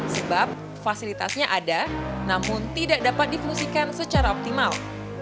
sebab fasilitasnya ada namun tidak dapat difungsikan secara optimal